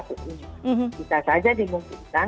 kita saja dimungkinkan